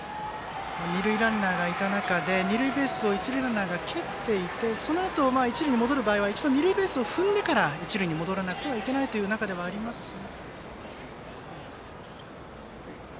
二塁ランナーがいた中で二塁ベースを一塁ランナーが蹴っていてそのあと、一塁に戻る場合は一度、二塁ベースを踏んでから一塁に戻らなくてはいけないということですが。